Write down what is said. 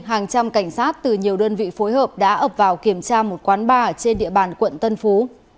hàng trăm cảnh sát từ nhiều đơn vị phối hợp đã ập vào kiểm tra một quán bar trên địa bàn quận tân phú